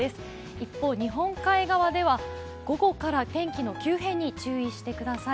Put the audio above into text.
一方、日本海側では午後から天気の急変に注意してください。